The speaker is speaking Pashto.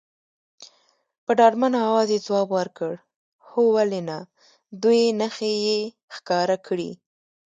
په ډاډمن اواز یې ځواب ورکړ، هو ولې نه، دوې نښې یې ښکاره کړې.